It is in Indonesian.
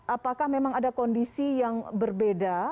apakah memang ada kondisi yang berbeda